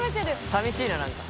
さみしいな何か。